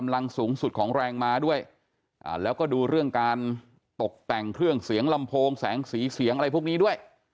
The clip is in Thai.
แล้วก็ดูเรื่องการตกแต่งเครื่องเสียงลำโพงแสงสีเสียงอะไรพวกนี้ด้วย